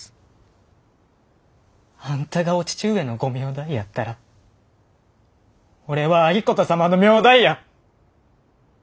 あんたがお父上のご名代やったら俺は有功様の名代や！